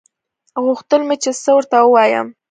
غوښتل مې چې څه ورته ووايم.